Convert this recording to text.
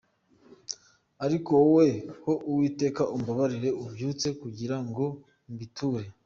Ariko wowe ho Uwiteka umbabarire umbyutse, Kugira ngo mbiture.